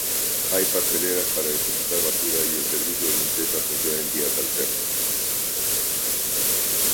Hay papeleras para depositar basura, y el servicio de limpieza funciona en días alternos.